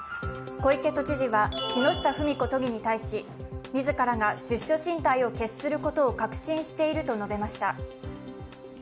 小池都知事は木下富美子都議に対し自らが出処進退を決することを確信していると語りました。